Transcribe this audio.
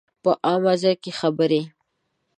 په عامه ځای کې خبرې